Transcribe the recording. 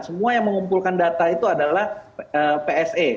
semua yang mengumpulkan data itu adalah pse